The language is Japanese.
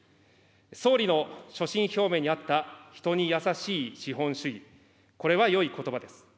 総理の所信表明にあった、人にやさしい資本主義、これはよいことばです。